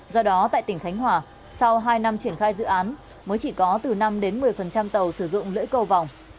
do đó tại tỉnh khánh hòa sau hai năm triển khai dự án mới chỉ có từ năm đến một mươi tàu sử dụng lưỡi cầu vòng